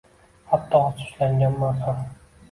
Hatto afsuslanganman ham.